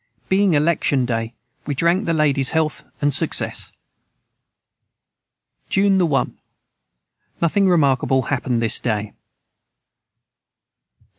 Being election day we drank the Ladies health and success. June the 1. Nothing remarkable hapened this day. the 2 8.